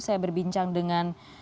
saya berbincang dengan